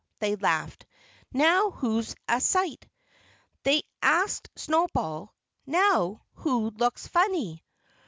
_" they laughed. "Now who's a sight?" they asked Snowball. "Now who looks funny?"